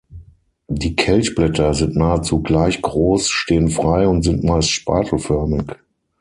Die Kelchblätter sind nahezu gleich groß, stehen frei und sind meist spatelförmig.